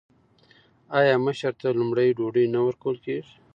آیا مشر ته لومړی ډوډۍ نه ورکول کیږي؟